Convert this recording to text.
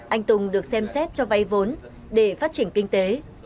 anh tùng được xem xét cho vay vốn để phát triển kinh tế